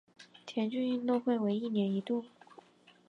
田径运动会为一年一度。